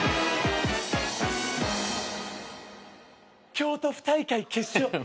京都府大会決勝。